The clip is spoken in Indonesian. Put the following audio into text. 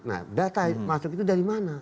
nah data masuk itu dari mana